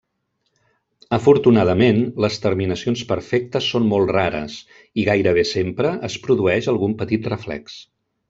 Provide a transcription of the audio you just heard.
Afortunadament, les terminacions perfectes són molt rares i gairebé sempre es produeix algun petit reflex.